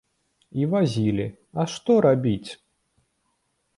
І вазілі, а што рабіць?